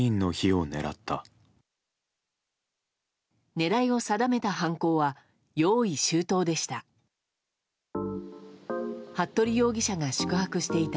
狙いを定めた犯行は用意周到でした。